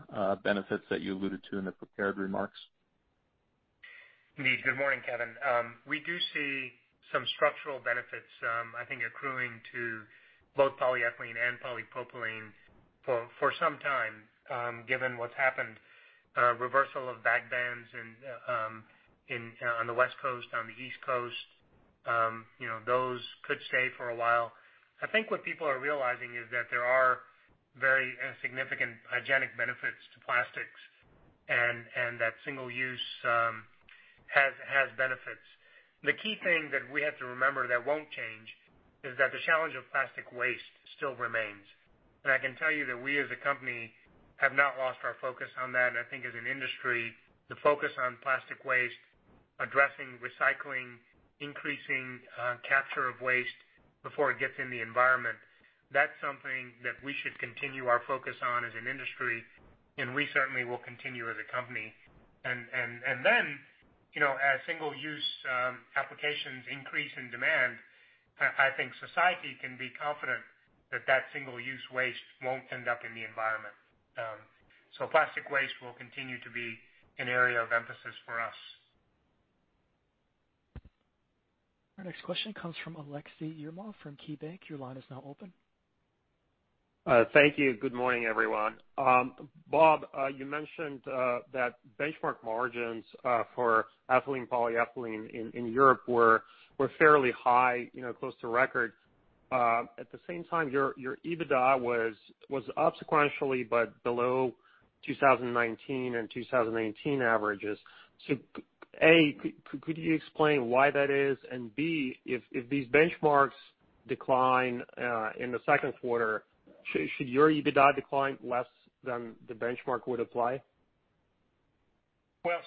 benefits that you alluded to in the prepared remarks? Indeed. Good morning, Kevin. We do see some structural benefits, I think, accruing to both polyethylene and polypropylene for some time, given what's happened. Reversal of bag bans on the West Coast, on the East Coast, those could stay for a while. I think what people are realizing is that there are very significant hygienic benefits to plastics and that single use has benefits. The key thing that we have to remember that won't change is that the challenge of plastic waste still remains. I can tell you that we as a company have not lost our focus on that. I think as an industry, the focus on plastic waste, addressing recycling, increasing capture of waste before it gets in the environment, that's something that we should continue our focus on as an industry, and we certainly will continue as a company. As single use applications increase in demand, I think society can be confident that single use waste won't end up in the environment. Plastic waste will continue to be an area of emphasis for us. Our next question comes from Aleksey Yefremov from KeyBanc. Your line is now open. Thank you. Good morning, everyone. Bob, you mentioned that benchmark margins for ethylene polyethylene in Europe were fairly high, close to record. At the same time, your EBITDA was up sequentially, but below 2019 and 2018 averages. A, could you explain why that is? B, if these benchmarks decline in the second quarter, should your EBITDA decline less than the benchmark would apply? Well,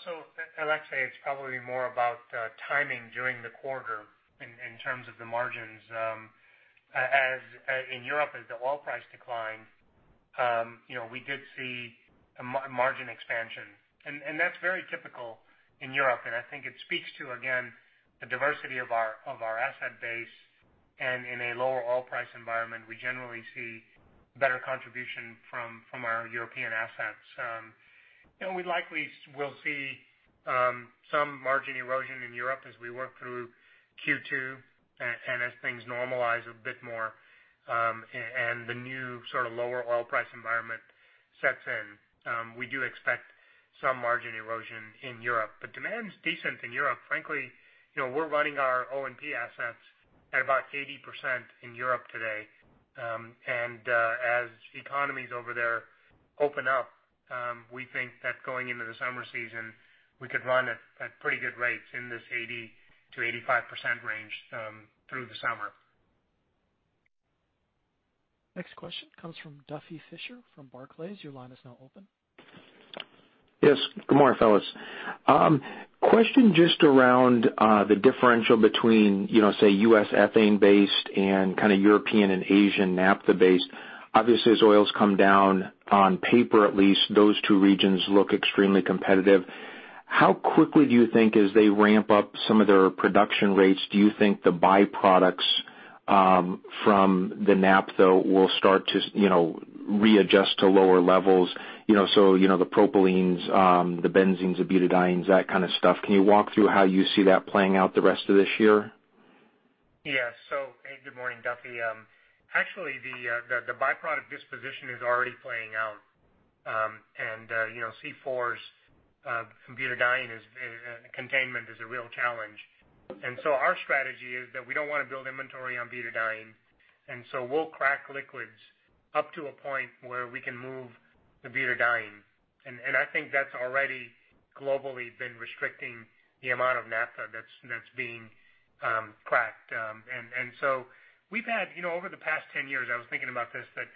Aleksey, it's probably more about timing during the quarter in terms of the margins. As in Europe, as the oil price declined, we did see a margin expansion. That's very typical in Europe, and I think it speaks to, again, the diversity of our asset base. In a lower oil price environment, we generally see better contribution from our European assets. We likely will see some margin erosion in Europe as we work through Q2 and as things normalize a bit more, and the new sort of lower oil price environment sets in. We do expect some margin erosion in Europe, demand's decent in Europe. Frankly, we're running our O&P assets at about 80% in Europe today. As economies over there open up, we think that going into the summer season, we could run at pretty good rates in this 80%-85% range through the summer. Next question comes from Duffy Fischer from Barclays. Your line is now open. Yes. Good morning, fellas. Question just around the differential between, say U.S. ethane-based and kind of European and Asian naphtha-based. Obviously, as oil's come down, on paper at least, those two regions look extremely competitive. How quickly do you think as they ramp up some of their production rates, do you think the byproducts from the naphtha will start to readjust to lower levels? The propylene's, the benzene's, the butadiene's, that kind of stuff. Can you walk through how you see that playing out the rest of this year? Hey, good morning, Duffy. Actually, the byproduct disposition is already playing out. C4s from butadiene containment is a real challenge. Our strategy is that we don't want to build inventory on butadiene, we'll crack liquids up to a point where we can move the butadiene. I think that's already globally been restricting the amount of naphtha that's being cracked. We've had over the past 10 years, I was thinking about this, that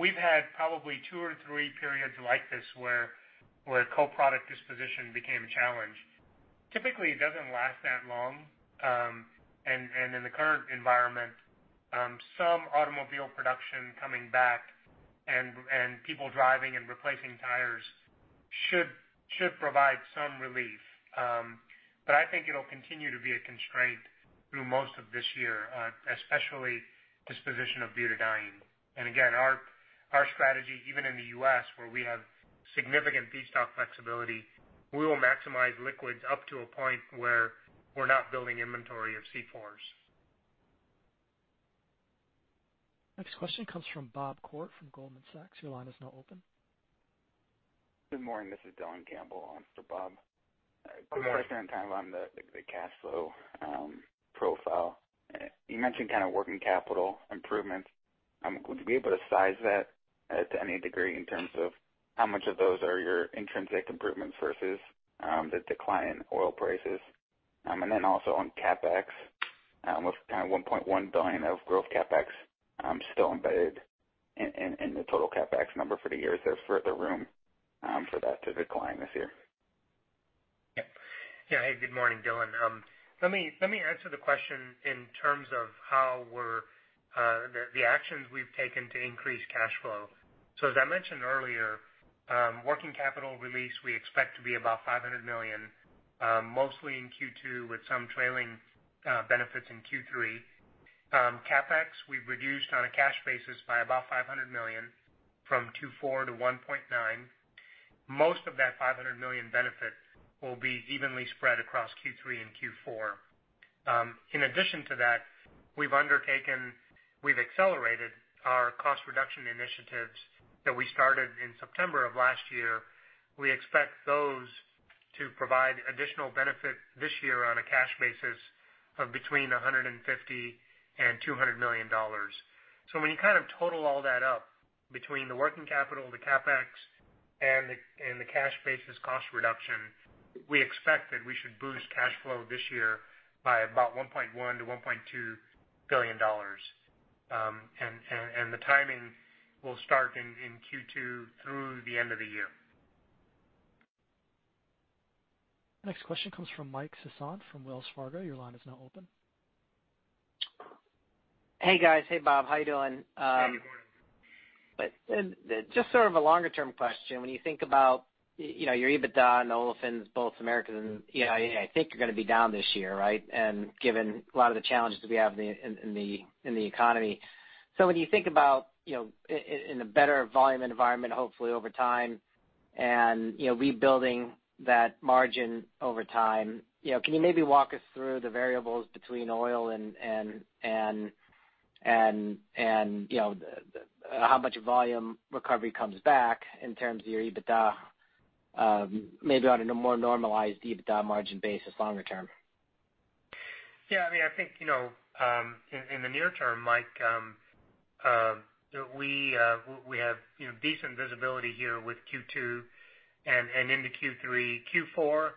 we've had probably two or three periods like this where co-product disposition became a challenge. Typically, it doesn't last that long. In the current environment, some automobile production coming back and people driving and replacing tires should provide some relief. I think it'll continue to be a constraint through most of this year, especially disposition of butadiene. Again, our strategy, even in the U.S. where we have significant feedstock flexibility, we will maximize liquids up to a point where we're not building inventory of C4s. Next question comes from Bob Koort from Goldman Sachs. Your line is now open. Good morning. This is Dylan Campbell on for Bob. Go ahead. Quick question on timeline, the cash flow profile. You mentioned kind of working capital improvements. Would you be able to size that to any degree in terms of how much of those are your intrinsic improvements versus the decline in oil prices? Also on CapEx, with kind of $1.1 billion of growth CapEx still embedded in the total CapEx number for the year, is there further room for that to decline this year? Hey, good morning, Dylan. Let me answer the question in terms of the actions we've taken to increase cash flow. As I mentioned earlier, working capital release we expect to be about $500 million, mostly in Q2 with some trailing benefits in Q3. CapEx, we've reduced on a cash basis by about $500 million from $2.4 billion to $1.9 billion. Most of that $500 million benefit will be evenly spread across Q3 and Q4. In addition to that, we've accelerated our cost reduction initiatives that we started in September of last year. We expect those to provide additional benefit this year on a cash basis of between $150 million and $200 million. When you total all that up between the working capital, the CapEx, and the cash basis cost reduction, we expect that we should boost cash flow this year by about $1.1 billion to $1.2 billion. The timing will start in Q2 through the end of the year. Next question comes from Mike Sison from Wells Fargo. Your line is now open. Hey, guys. Hey, Bob. How you doing? Hey, good morning. Just sort of a longer-term question. When you think about your EBITDA and Olefins, both Americas and EMEA, I think you're going to be down this year, right? Given a lot of the challenges that we have in the economy. When you think about in a better volume environment, hopefully over time and rebuilding that margin over time, can you maybe walk us through the variables between oil and how much volume recovery comes back in terms of your EBITDA, maybe on a more normalized EBITDA margin basis longer term? Yeah. I think, in the near term, Mike, we have decent visibility here with Q2 and into Q3. Q4,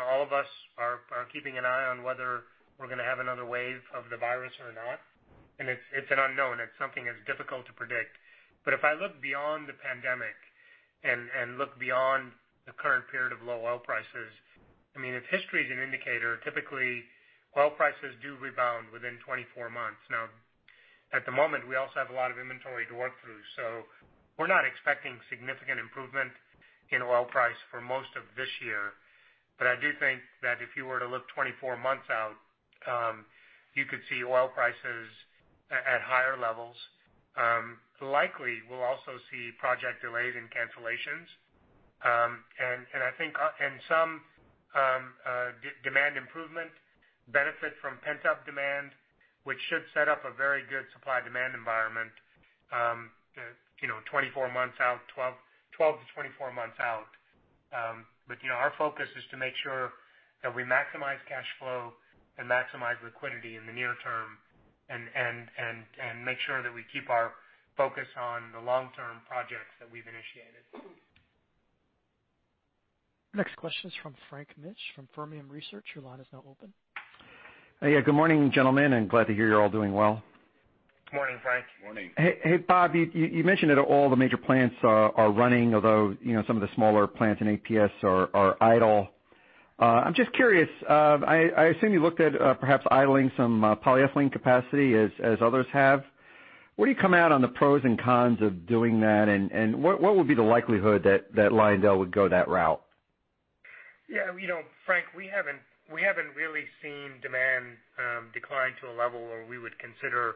all of us are keeping an eye on whether we're going to have another wave of the virus or not. It's an unknown. It's something that's difficult to predict. If I look beyond the pandemic and look beyond the current period of low oil prices, if history is an indicator, typically oil prices do rebound within 24 months. Now, at the moment, we also have a lot of inventory to work through, so we're not expecting significant improvement in oil price for most of this year. I do think that if you were to look 24 months out, you could see oil prices at higher levels. Likely, we'll also see project delays and cancellations. I think some demand improvement benefit from pent-up demand, which should set up a very good supply-demand environment 12-24 months out. Our focus is to make sure that we maximize cash flow and maximize liquidity in the near term and make sure that we keep our focus on the long-term projects that we've initiated. Next question is from Frank Mitsch from Fermium Research. Your line is now open. Yeah. Good morning, gentlemen, and glad to hear you're all doing well. Good morning, Frank. Morning. Hey, Bob, you mentioned that all the major plants are running, although some of the smaller plants in APS are idle. I'm just curious, I assume you looked at perhaps idling some polyethylene capacity as others have. What do you come out on the pros and cons of doing that, and what would be the likelihood that Lyondell would go that route? Frank, we haven't really seen demand decline to a level where we would consider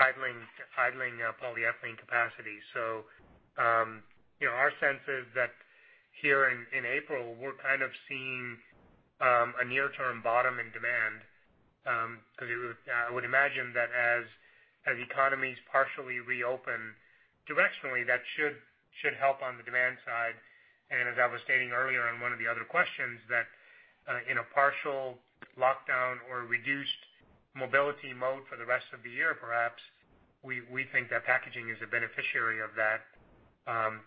idling polyethylene capacity. I would imagine that as economies partially reopen, directionally, that should help on the demand side. As I was stating earlier on one of the other questions, that in a partial lockdown or reduced mobility mode for the rest of the year perhaps, we think that packaging is a beneficiary of that. Our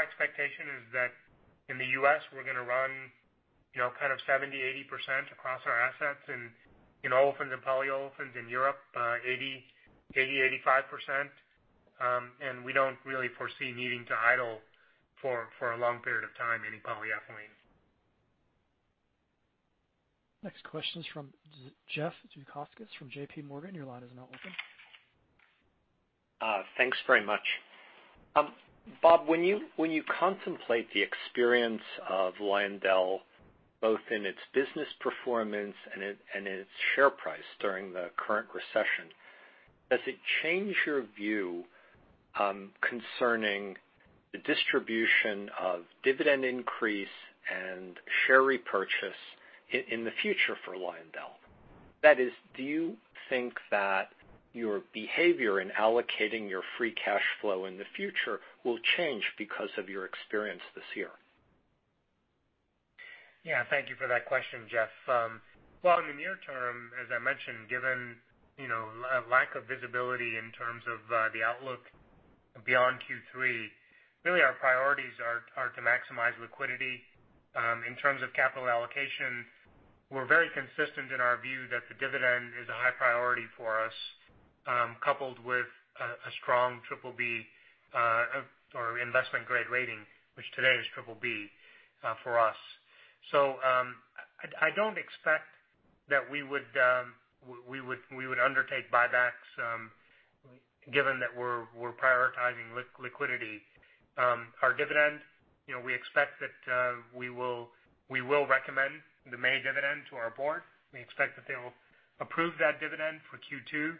expectation is that in the U.S., we're going to run kind of 70%-80% across our assets. Olefins and Polyolefins in Europe, 80%-85%. We don't really foresee needing to idle for a long period of time any polyethylene. Next question is from Jeff Zekauskas from JPMorgan. Your line is now open. Thanks very much. Bob, when you contemplate the experience of Lyondell, both in its business performance and its share price during the current recession, does it change your view concerning the distribution of dividend increase and share repurchase in the future for Lyondell? That is, do you think that your behavior in allocating your free cash flow in the future will change because of your experience this year? Yeah. Thank you for that question, Jeff. Well, in the near term, as I mentioned, given lack of visibility in terms of the outlook beyond Q3, really our priorities are to maximize liquidity. In terms of capital allocation we're very consistent in our view that the dividend is a high priority for us, coupled with a strong BBB or investment-grade rating, which today is BBB for us. I don't expect that we would undertake buybacks, given that we're prioritizing liquidity. Our dividend, we expect that we will recommend the May dividend to our board. We expect that they will approve that dividend for Q2.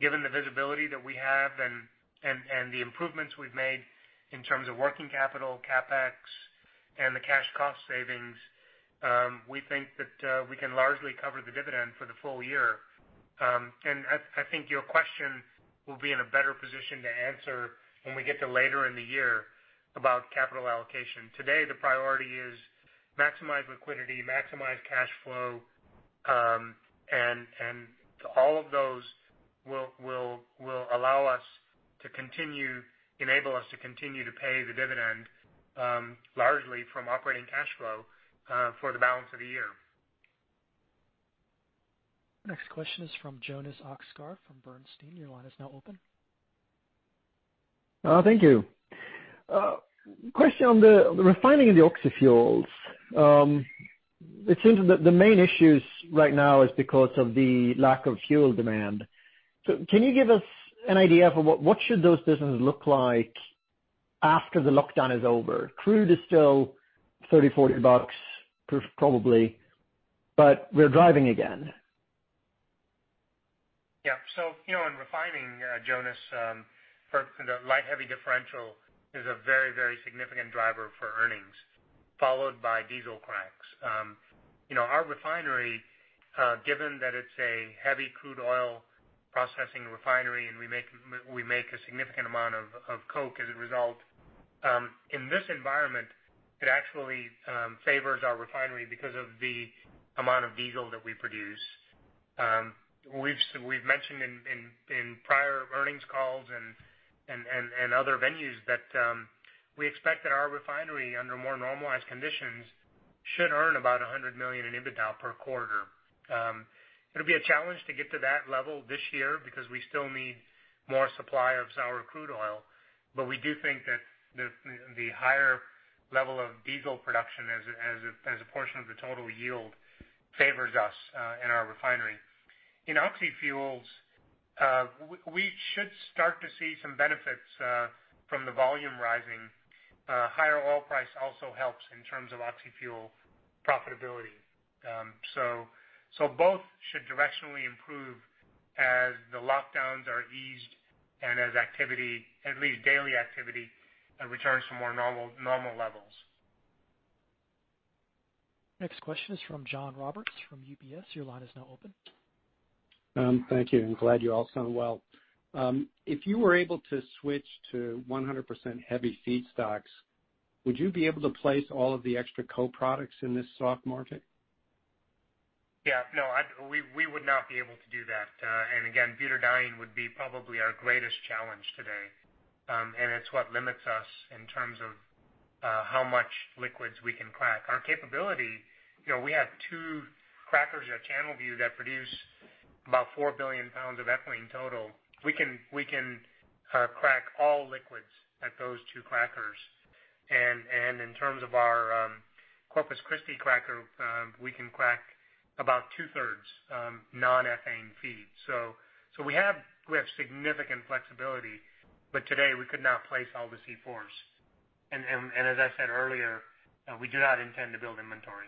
Given the visibility that we have and the improvements we've made in terms of working capital, CapEx, and the cash cost savings, we think that we can largely cover the dividend for the full year. I think your question we'll be in a better position to answer when we get to later in the year about capital allocation. Today, the priority is maximize liquidity, maximize cash flow, and all of those will allow us to continue, enable us to continue to pay the dividend, largely from operating cash flow, for the balance of the year. Next question is from Jonas Oxgaard from Bernstein. Your line is now open. Thank you. Question on the refining of the Oxyfuels. It seems that the main issues right now is because of the lack of fuel demand. Can you give us an idea of what should those businesses look like after the lockdown is over? Crude is still $30, $40 probably, but we're driving again. In refining, Jonas, for the light heavy differential is a very significant driver for earnings, followed by diesel cracks. Our refinery, given that it's a heavy crude oil processing refinery, and we make a significant amount of coke as a result. In this environment, it actually favors our refinery because of the amount of diesel that we produce. We've mentioned in prior earnings calls and other venues that we expect that our refinery, under more normalized conditions, should earn about $100 million in EBITDA per quarter. It'll be a challenge to get to that level this year because we still need more supply of sour crude oil. We do think that the higher level of diesel production as a portion of the total yield favors us, in our refinery. In Oxyfuels, we should start to see some benefits from the volume rising. Higher oil price also helps in terms of Oxyfuel profitability. Both should directionally improve as the lockdowns are eased and as activity, at least daily activity, returns to more normal levels. Next question is from John Roberts from UBS. Your line is now open. Thank you. Glad you all sound well. If you were able to switch to 100% heavy feedstocks, would you be able to place all of the extra co-products in this soft market? We would not be able to do that. Again, butadiene would be probably our greatest challenge today. It's what limits us in terms of how much liquids we can crack. Our capability, we have two crackers at Channelview that produce about 4 billion lbs of ethylene total. We can crack all liquids at those two crackers. In terms of our Corpus Christi cracker, we can crack about two-thirds non-ethane feed. We have significant flexibility, but today, we could not place all the C4s. As I said earlier, we do not intend to build inventory.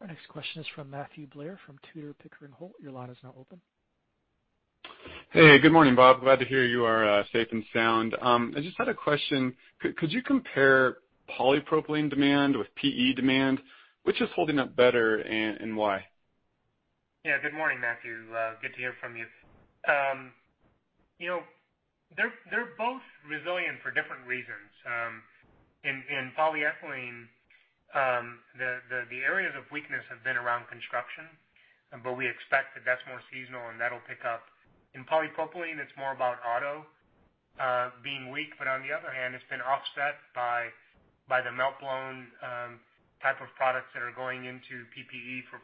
Our next question is from Matthew Blair from Tudor, Pickering, Holt. Your line is now open. Hey, good morning, Bob. Glad to hear you are safe and sound. I just had a question. Could you compare polypropylene demand with PE demand? Which is holding up better and why? Yeah. Good morning, Matthew. Good to hear from you. They're both resilient for different reasons. In polyethylene, the areas of weakness have been around construction, but we expect that's more seasonal, and that'll pick up. In polypropylene, it's more about auto being weak. On the other hand, it's been offset by the melt-blown type of products that are going into PPE for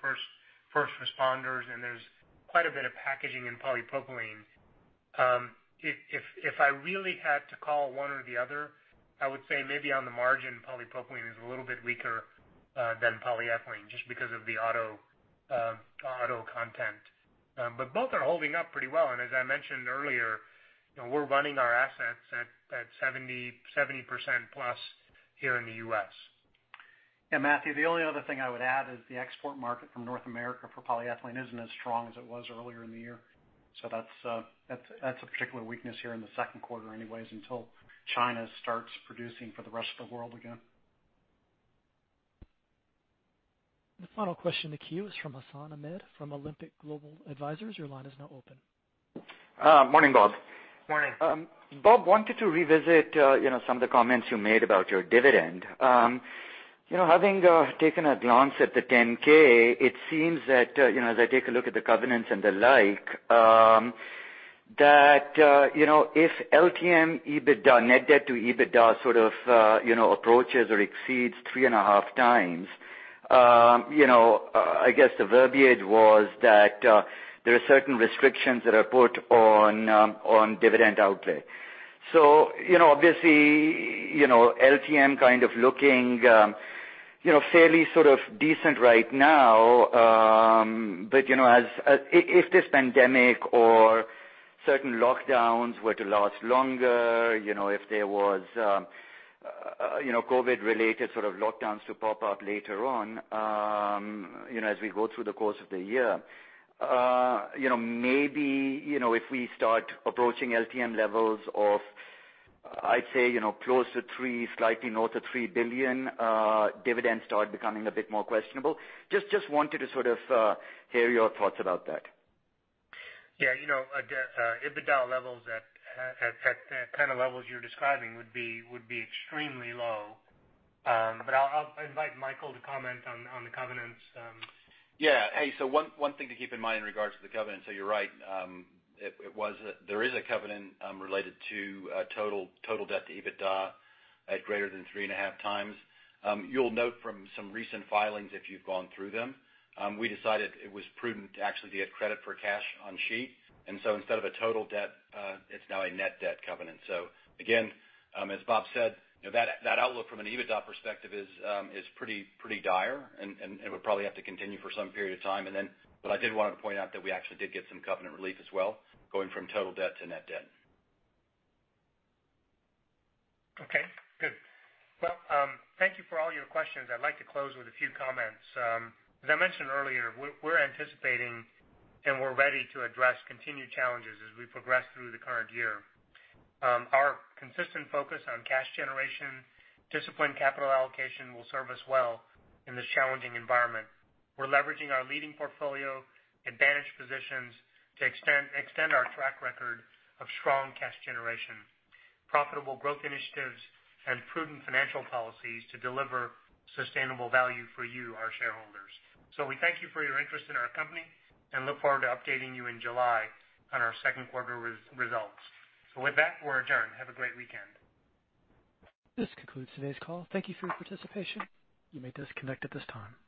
first responders, and there's quite a bit of packaging in polypropylene. If I really had to call one or the other, I would say maybe on the margin, polypropylene is a little bit weaker than polyethylene just because of the auto content. Both are holding up pretty well. As I mentioned earlier, we're running our assets at 70%+ here in the U.S. Yeah, Matthew, the only other thing I would add is the export market from North America for polyethylene isn't as strong as it was earlier in the year. That's a particular weakness here in the second quarter anyways until China starts producing for the rest of the world again. The final question in the queue is from Hassan Ahmed from Alembic Global Advisors. Your line is now open. Morning, Bob. Morning. Bob, wanted to revisit some of the comments you made about your dividend. Having taken a glance at the 10-K, it seems that as I take a look at the covenants and the like, that if LTM EBITDA, net debt to EBITDA sort of approaches or exceeds 3.5x, I guess the verbiage was that there are certain restrictions that are put on dividend outlay. Obviously, LTM kind of looking fairly sort of decent right now. If this pandemic or certain lockdowns were to last longer, if there was COVID related sort of lockdowns to pop up later on as we go through the course of the year, maybe if we start approaching LTM levels of, I'd say, close to $3 billion, slightly north of $3 billion, dividends start becoming a bit more questionable. Just wanted to sort of hear your thoughts about that. Yeah. EBITDA levels at kind of levels you're describing would be extremely low. I'll invite Michael to comment on the covenants. Yeah. Hey, one thing to keep in mind in regards to the covenant, you're right, there is a covenant related to total debt to EBITDA at greater than 3.5x. You'll note from some recent filings, if you've gone through them, we decided it was prudent to actually get credit for cash on sheet. Instead of a total debt, it's now a net debt covenant. Again, as Bob said, that outlook from an EBITDA perspective is pretty dire and would probably have to continue for some period of time. I did want to point out that we actually did get some covenant relief as well, going from total debt to net debt. Okay, good. Well, thank you for all your questions. I'd like to close with a few comments. As I mentioned earlier, we're anticipating and we're ready to address continued challenges as we progress through the current year. Our consistent focus on cash generation, disciplined capital allocation will serve us well in this challenging environment. We're leveraging our leading portfolio, advantaged positions to extend our track record of strong cash generation, profitable growth initiatives, and prudent financial policies to deliver sustainable value for you, our shareholders. We thank you for your interest in our company and look forward to updating you in July on our second quarter results. With that, we're adjourned. Have a great weekend. This concludes today's call. Thank you for your participation. You may disconnect at this time.